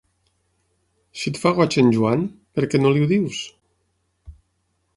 Si et fa goig en Joan, per què no li ho dius?